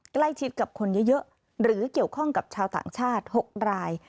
ใกล้ชิดกับคนเยอะหรือเกี่ยวข้องกับชาวต่างชาติ๖ราย